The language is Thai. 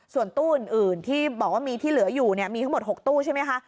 ส่วนตู้อื่นที่บอกว่ามีที่เหลืออยู่มีทั้งหมด๖ตู้ใช่ไหมคะ